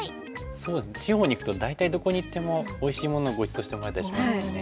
そうですね地方に行くと大体どこに行ってもおいしいものをごちそうしてもらえたりしますよね。